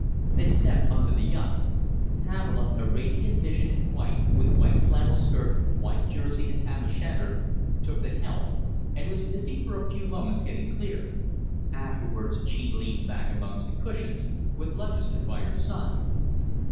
They stepped on to the yacht. Pamela, a radiant vision in white, with white flannel skirt, white jersey and tam o' shanter, took the helm, and was busy for a few moments getting clear. Afterwards she leaned back amongst the cushions, with Lutchester by her side.